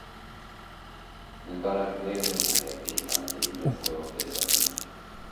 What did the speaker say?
Նկարագրել է նաև կենդանիների մեծ թվով տեսակներ։